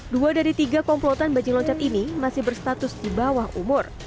dua dari tiga komplotan bajing loncat ini masih berstatus di bawah umur